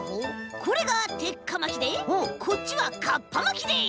これがてっかまきでこっちはかっぱまきでい！